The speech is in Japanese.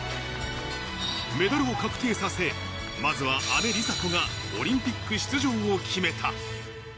メダルを確定させ、まずは姉、梨紗子がオリンピック出場を決めた。